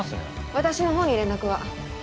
私の方に連絡は？